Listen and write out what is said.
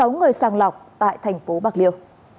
sáu người sàng lọc tại thành phố bạc liêu